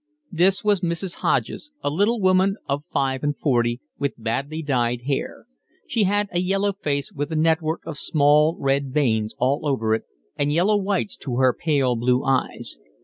This was Mrs. Hodges, a little woman of five and forty, with badly dyed hair; she had a yellow face with a network of small red veins all over it, and yellow whites to her pale blue eyes.